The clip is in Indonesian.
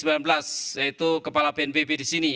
yaitu kepala bnpb di sini